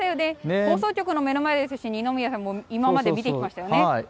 放送局の目の前ですし二宮さんも今まで見てきましたよね。